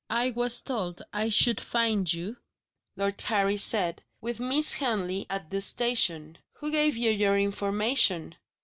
"I was told I should find you," Lord Harry said, "with Miss Henley, at the station." "Who gave you your information?"